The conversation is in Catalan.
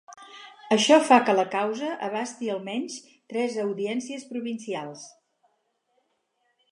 Això fa que la causa abasti almenys tres audiències provincials.